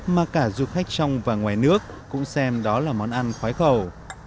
mà cả du khách trong và ngoài nước cũng xem đó là món ăn khoái khẩu